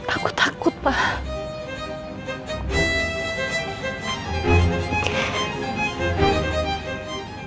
aku takut pak